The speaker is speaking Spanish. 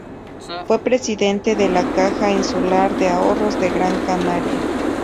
Fue presidente de la Caja Insular de Ahorros de Gran Canaria.